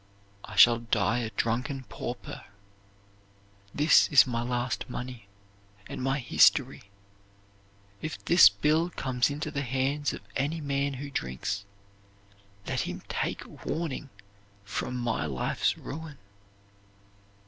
I shall die a drunken pauper. This is my last money, and my history. If this bill comes into the hands of any man who drinks, let him take warning from my life's ruin."